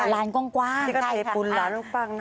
ร้านกว้าง